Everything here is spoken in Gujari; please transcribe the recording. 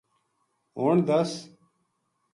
ہن دس